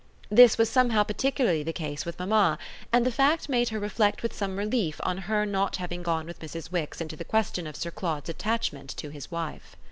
This was somehow particularly the case with mamma, and the fact made her reflect with some relief on her not having gone with Mrs. Wix into the question of Sir Claude's attachment to his wife.